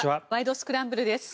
スクランブル」です。